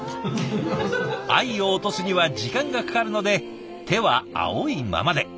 藍を落とすには時間がかかるので手は青いままで。